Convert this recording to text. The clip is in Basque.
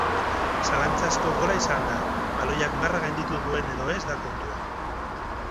Zalantzazko gola izan da, baloiak marra gainditu duen edo ez da kontua.